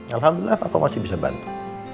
alhamdulillah bapak masih bisa bantu